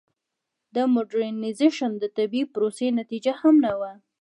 د موډرنیزېشن د طبیعي پروسې نتیجه هم نه وه.